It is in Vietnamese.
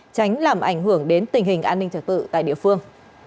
tránh làm ảnh hưởng đến tình hình an ninh trật tự tại địa phương